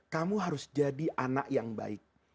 kamu harus jadi anak yang baik